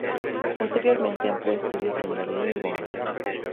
Posteriormente amplió estudios en Berlín y Bonn.